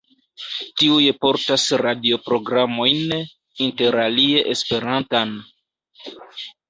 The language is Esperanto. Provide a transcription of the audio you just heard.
Tiuj portas radioprogramojn, interalie Esperantan.